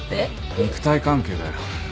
肉体関係だよ。